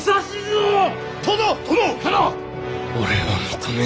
俺は認めぬ。